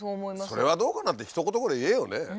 「それはどうかな？」ってひと言ぐらい言えよね。